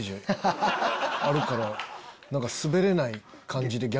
あるからスベれない感じで。